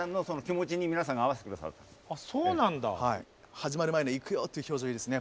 始まる前の「いくよ」っていう表情がいいですね